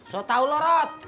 mau tau lu rot